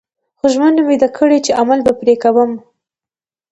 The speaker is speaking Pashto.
خو ژمنه مې ده کړې چې عمل به پرې کوم